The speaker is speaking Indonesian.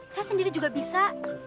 saya sendiri juga bisa